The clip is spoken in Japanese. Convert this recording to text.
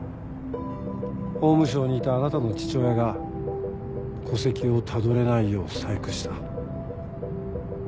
法務省にいたあなたの父親が戸籍をたどれないよう細工した。